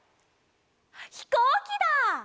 ひこうきだ！